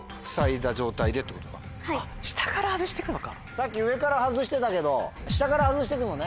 さっき上から外してたけど下から外してくのね。